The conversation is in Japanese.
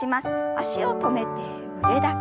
脚を止めて腕だけ。